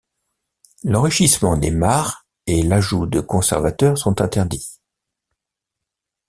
L'enrichissement des marcs et l'ajout de conservateur sont interdits.